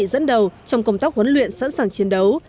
đơn vị dẫn đầu trong công tác huấn luyện sẵn sàng chiến đấu